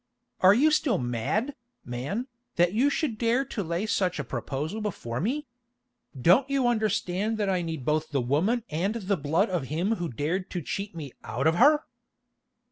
Are you still mad, man, that you should dare to lay such a proposal before me? Don't you understand that I need both the woman and the blood of him who dared to cheat me out of her?"